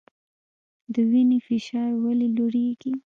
د وینې فشار ولې لوړیږي؟